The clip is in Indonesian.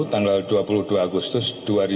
tanggal dua puluh dua agustus dua ribu dua puluh